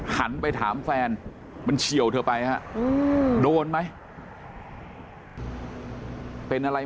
หันไปถามแฟนมันเฉียวเธอไปฮะโดนไหมเป็นอะไร